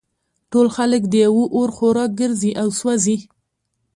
ټول خلک د یوه اور خوراک ګرځي او سوزي